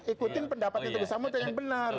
ikutin pendapat teguh samudera yang benar